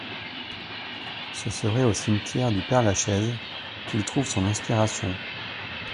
Ce serait au Cimetière du Père-Lachaise qu’il trouve son inspiration.